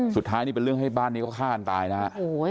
สุดท้ายนี่เป็นเรื่องให้บ้านนี้เขาฆ่ากันตายนะฮะ